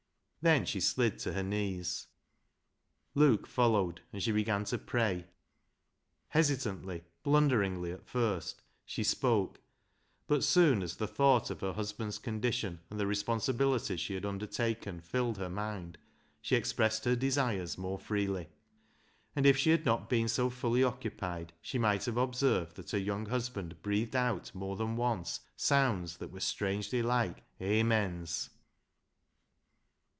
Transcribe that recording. Then she slid to her knees. Luke followed, and she began to pray. Hesitantly, blunderingly, at first she spoke, but soon, as the thought of her husband's condition, and the responsibilities she had undertaken, filled her mind, she expressed her desires more freely ; and if she had not been so fully occupied she might have observed that her young husband breathed out more than once sounds that were strangely like " Amens